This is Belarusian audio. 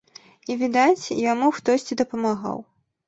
І, відаць, яму хтосьці дапамагаў.